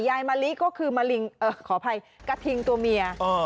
มะลิก็คือมะลิงขออภัยกระทิงตัวเมีย